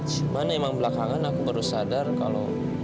cuman emang belakangan aku baru sadar kalau